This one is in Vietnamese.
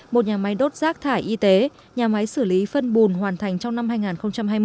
một nhà máy đốt rác thải y tế nhà máy xử lý phân bùn hoàn thành trong năm hai nghìn hai mươi